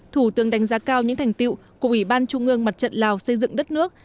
thủ tướng đánh giá cao những thành tiệu của ủy ban trung ương mặt trận lào xây dựng đất nước